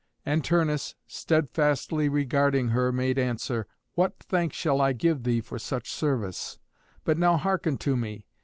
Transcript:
And Turnus, steadfastly regarding her, made answer, "What thanks shall I give thee for such service? But now hearken to me.